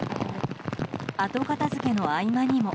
後片付けの合間にも。